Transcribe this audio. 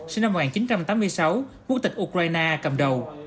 sinh năm một nghìn chín trăm tám mươi sáu quốc tịch ukraine cầm đầu